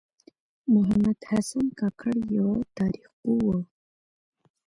محمد حسن کاکړ یوه تاریخ پوه و .